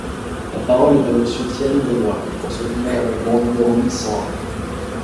La parole est à Monsieur Thierry Benoit, pour soutenir l’amendement numéro mille cent un.